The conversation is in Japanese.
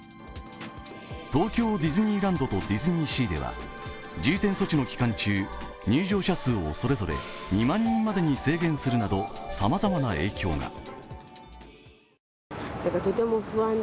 東京ディズニーランドとディズニーシーでは重点措置の期間中入場者数をそれぞれ２万人までに制限するなどさまざまな影響が。